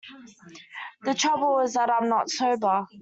The trouble is that I’m not sober.